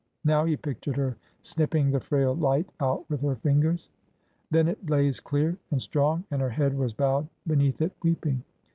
Now he pictured her snipping the frail light out with her fingers. Then it blazed clear and strong, and her head was bowed beneath it weeping.